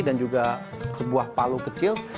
dan juga sebuah palu kecil